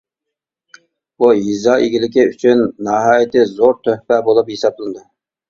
بۇ يېزا ئىگىلىكى ئۈچۈن ناھايىتى زور تۆھپە بولۇپ ھېسابلىنىدۇ.